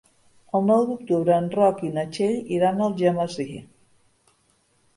El nou d'octubre en Roc i na Txell iran a Algemesí.